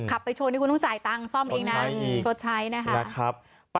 ไปชนที่คุณต้องจ่ายตังค์ซ่อมเองนะชดใช้นะครับ